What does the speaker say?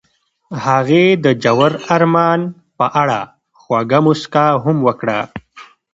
هغې د ژور آرمان په اړه خوږه موسکا هم وکړه.